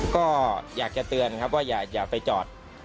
ก็อยากจะเตือนครับว่าอย่าไปจอด